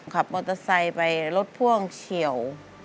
ขับมอเตอร์ไซค์ไปรถพ่วงเฉียว